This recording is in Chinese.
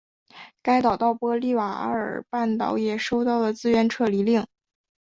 该岛到波利瓦尔半岛也收到了自愿撤离令。